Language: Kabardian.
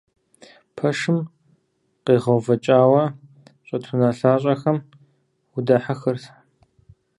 Пэшым къегъэувэкӀауэ щӀэт унэлъащӀэхэм удахьэхырт.